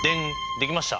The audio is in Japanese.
できました。